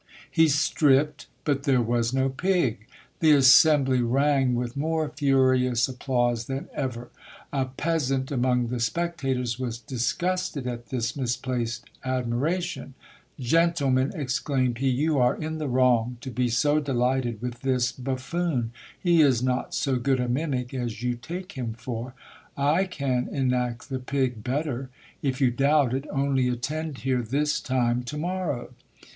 He stripped, but there was no pig. The assembly rang with more furious applause than ever. A pea sant, among the spectators, was disgusted at this misplaced admiration. Gen tlemen, exclaimed he, you are in the wrong to be so delighted with this buffoon, he is not so good a mimic as you take him for. I can enact the pig better ; if you doubt it, only attend here this time to morrow.